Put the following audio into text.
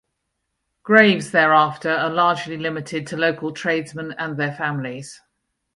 Graves thereafter are largely limited to local tradesmen and their families.